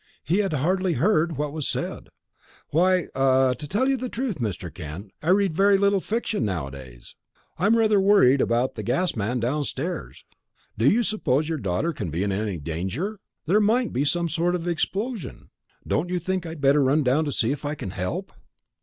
He had hardly heard what was said. "Why ah to tell you the truth, Mr. Kent, I read very little fiction nowadays. I'm rather worried about that gas man downstairs. Do you suppose your daughter can be in any danger? There might be some sort of explosion don't you think I had better run down to see if I can help?"